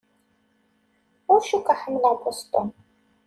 Ur cukkeɣ ḥemmleɣ Boston.